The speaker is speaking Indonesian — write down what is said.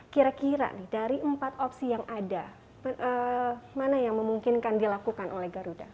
kira kira nih dari empat opsi yang ada mana yang memungkinkan dilakukan oleh garuda